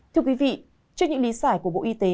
thưa quý vị trước những lý giải của bộ y tế